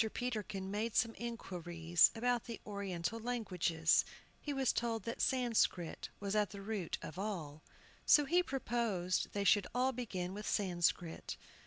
Peterkin made some inquiries about the Oriental languages. He was told that Sanscrit was at the root of all. So he proposed they should all begin with Sanscrit.